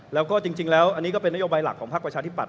แล้วก็จริงแล้วอันนี้ก็เป็นนโยบายหลักของภาคประชาธิปัต